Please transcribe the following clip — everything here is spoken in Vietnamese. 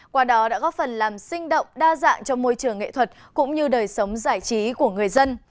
qua đó đã góp phần làm sinh động đa dạng cho môi trường nghệ thuật cũng như đời sống giải trí của người dân